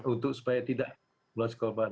untuk supaya tidak meluas korban